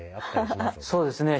そうですね